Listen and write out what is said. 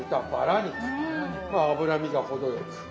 まあ脂身が程よく。